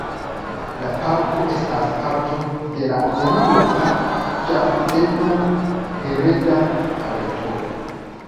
La parko estas parto de la Eŭropa Ĝardeno-Hereda Reto.